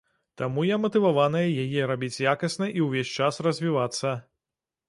Таму я матываваная яе рабіць якасна і ўвесь час развівацца.